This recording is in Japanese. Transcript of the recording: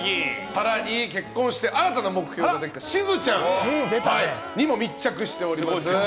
さらに結婚して新たな目標ができた、しずちゃんにも密着しております。